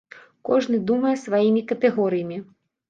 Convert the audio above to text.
Кожны думае сваімі катэгорыямі.